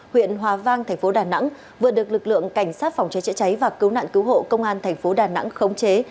huyện hòa vang tp đà nẵng vừa được lực lượng cảnh sát phòng chế chế cháy và cứu nạn cứu hộ công an tp đà nẵng khống chế